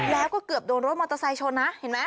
แล้วก็เกือบโดนรถมอเตอร์ไซค์ชนนะเห็นไหม